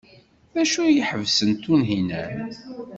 D acu ay iḥebsen Tunhinan?